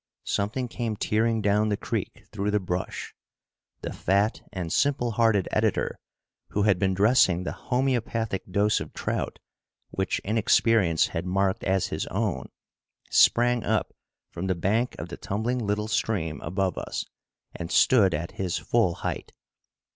Something came tearing down the creek through the brush! The fat and simple hearted editor, who had been dressing the homeopathic dose of trout, which inexperience had marked as his own, sprang up from the bank of the tumbling little stream above us and stood at his full height.